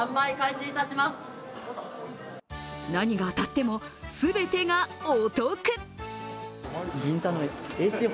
何が当たっても、全てがお得！